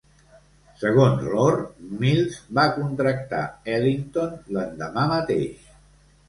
Segons Lore, Mills va contractar Ellington l'endemà mateix.